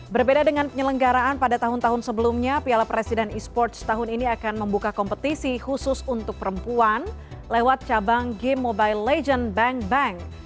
berbeda dengan penyelenggaraan pada tahun tahun sebelumnya piala presiden e sports tahun ini akan membuka kompetisi khusus untuk perempuan lewat cabang game mobile legends bank bank